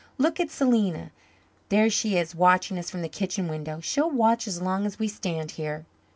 Look at Selena. There she is, watching us from the kitchen window. She'll watch as long as we stand here."